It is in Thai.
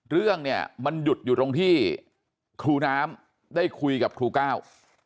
เรื่องเนี่ยมันหยุดอยู่ตรงที่ครูน้ำได้คุยกับครูก้าว